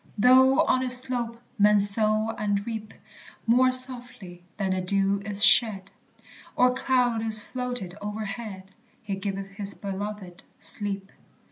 Though on its slope men sow and reap; More softly than the dew is shed, Or cloud is floated overhead, "He giveth his beloved sleep."